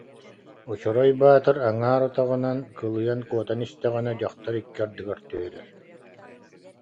Очорой Баатыр аҥаар атаҕынан кылыйан куотан истэҕинэ, дьахтар икки ардыгар түһэрэр